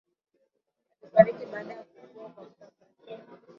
Alifariki baada ya kuugua kwa muda mrefu